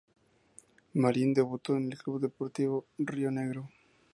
Marin debutó en el club Deportivo Rionegro.